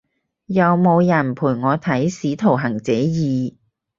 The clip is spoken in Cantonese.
有冇人陪我睇使徒行者二？